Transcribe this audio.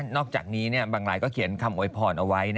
จากนี้บางรายก็เขียนคำโวยพรเอาไว้